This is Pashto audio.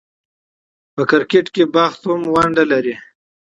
په کرکټ کښي بخت هم ونډه لري.